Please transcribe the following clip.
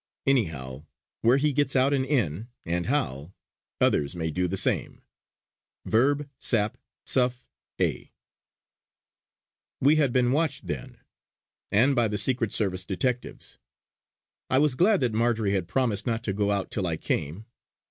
Anyhow, where he gets out and in, and how, others may do the same. Verb. sap, suff. A." We had been watched then, and by the Secret Service detectives. I was glad that Marjory had promised not to go out till I came.